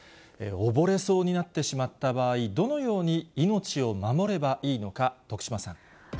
溺れそうになってしまった場合、どのように命を守ればいいのか、徳島さん。